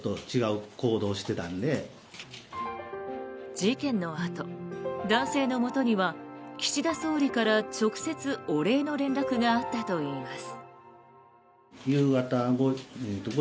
事件のあと男性のもとには岸田総理から直接お礼の連絡があったといいます。